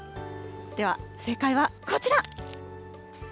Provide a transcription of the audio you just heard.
では、正解はこちら。